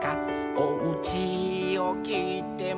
「おうちをきいても」